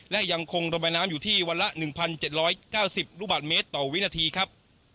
และยังคงระบายน้ำอยู่ที่วันละ๑๗๙๐ลูกบาทเมตรต่อวินาทีครับ